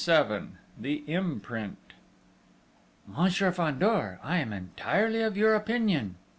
XXVII THE IMPRINT "Monsieur Fandor, I am entirely of your opinion!"